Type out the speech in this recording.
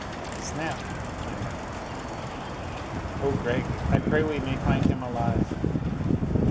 "Snap " I murmured. "Oh, Gregg, I pray we may find him alive!"